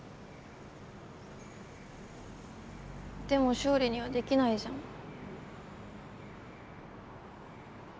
でも勝利にはできないじゃん。